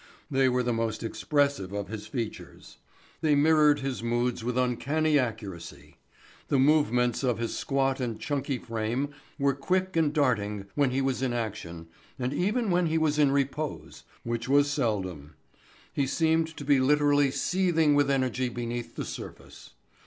They were the most expressive of his features. They mirrored his moods with uncanny accuracy. The movements of his squat and chunky frame were quick and darting when he was in action and even when he was in repose—which was seldom—he seemed to be literally seething with energy beneath the surface.